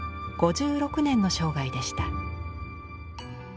５６年の生涯でした。